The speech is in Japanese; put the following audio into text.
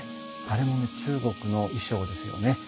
あれも中国の衣装ですよね。